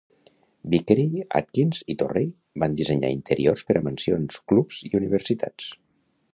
Vickery, Atkins i Torrey van dissenyar interiors per a mansions, clubs i universitats.